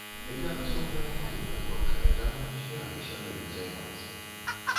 Я асобная адзінка творчая, таму не збіраюся гэтым займацца.